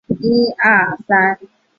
人参被珍视为一种适应原。